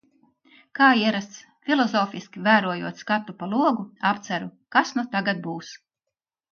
Kā ierasts, filozofiski vērojot skatu pa logu, apceru – kas nu tagad būs?